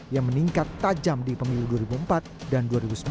yang meningkat tajam di pemilu dua ribu empat dan dua ribu sembilan belas